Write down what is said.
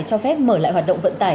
cho phép mở lại hoạt động vận tải